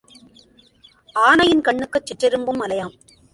ஆனையின் கண்ணுக்குச் சிற்றெறும்பும் மலையாம்.